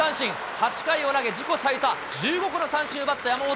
８回を投げ、自己最多１５個の三振を奪った山本。